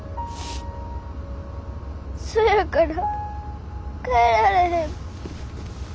そやから帰られへん。